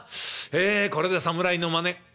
これで侍のまね。